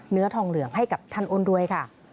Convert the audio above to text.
เนื้อทองเหลืองให้กับท่านอ้นด้วยค่ะ